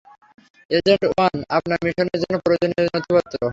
Agent one, আপনার মিশনের জন্য প্রয়োজনীয় নথিপত্র।